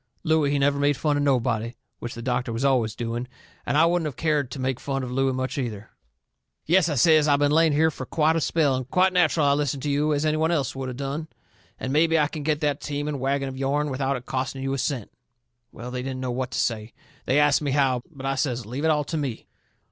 Looey, he never made fun of nobody, which the doctor was always doing, and I wouldn't of cared to make fun of Looey much, either. "Yes," I says, "I been laying here fur quite a spell, and quite natcheral I listened to you, as any one else would of done. And mebby I can get that team and wagon of yourn without it costing you a cent." Well, they didn't know what to say. They asts me how, but I says to leave it all to me.